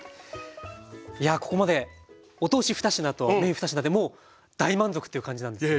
やあここまでお通し２品とメイン２品でもう大満足という感じなんですけども。